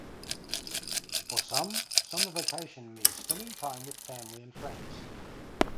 For some, summer vacation means spending time with family and friends.